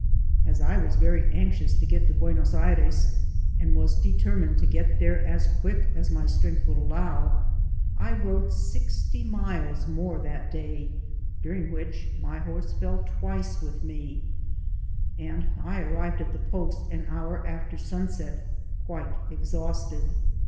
As I was very anxious to get to Buenos Aires, and was determined to get there as quick as my strength would allow, I rode sixty miles more that day, during which my horse fell twice with me, and I arrived at the post an hour after sun set, quite exhausted.